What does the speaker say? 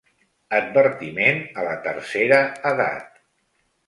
Advertiment a la tercera edat.